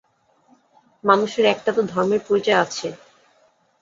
মানুষের একটা তো ধর্মের পরিচয় আছে।